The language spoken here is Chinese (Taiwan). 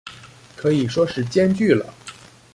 可以說是兼具了